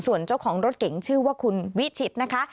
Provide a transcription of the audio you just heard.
ส่วนเจ้าของรถเก๋งชื่อว่าคุณวิชิตนะคะ